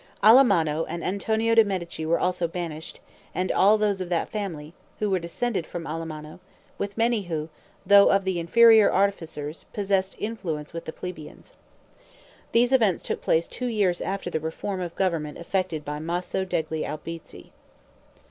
Alamanno and Antonio de' Medici were also banished, and all those of that family, who were descended from Alamanno, with many who, although of the inferior artificers, possessed influence with the plebeians. These events took place two years after the reform of government effected by Maso degli Albizzi.